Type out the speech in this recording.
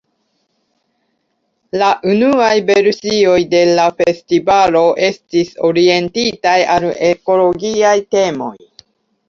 La unuaj versioj de la festivalo estis orientitaj al ekologiaj temoj.